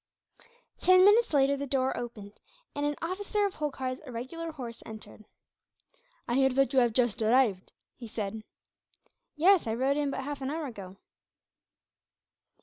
Ten minutes later the door opened, and an officer of Holkar's irregular horse entered. "I hear that you have just arrived," he said. "Yes; I rode in but half an hour ago."